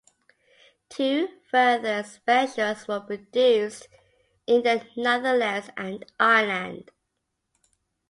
Two further specials were produced in the Netherlands and Ireland.